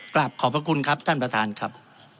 ขอบคุณครับท่านประธานครับ